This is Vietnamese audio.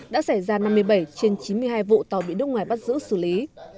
đã xảy ra năm mươi bảy trên chín mươi hai vụ tàu bị nước ngoài bắt giữ xử lý